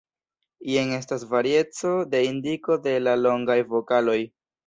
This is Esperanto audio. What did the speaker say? Jen estas varieco de indiko de la longaj vokaloj.